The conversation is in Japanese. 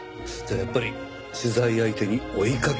やっぱり取材相手に追いかけられてたとか。